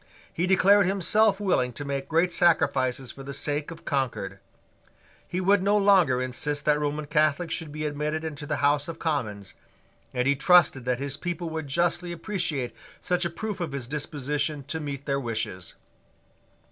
He declared himself willing to make great sacrifices for the sake of concord. He would no longer insist that Roman Catholics should be admitted into the House of Commons; and he trusted that his people would justly appreciate such a proof of his disposition to meet their wishes.